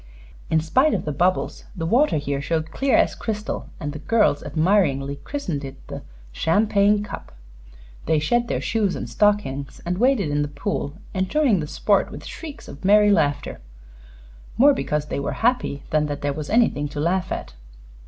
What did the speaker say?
In spite of the bubbles, the water here showed clear as crystal, and the girls admiringly christened it the "Champagne Cup." They shed their shoes and stockings and waded in the pool, enjoying the sport with shrieks of merry laughter more because they were happy than that there was anything to laugh at.